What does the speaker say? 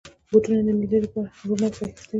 بوټونه د مېلې لپاره روڼ او ښایسته وي.